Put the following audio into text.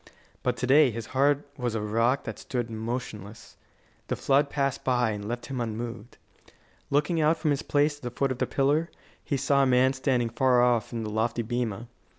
But to day his heart was a rock that stood motionless. The flood passed by and left him unmoved. Looking out from his place at the foot of the pillar, he saw a man standing far off in the lofty bema.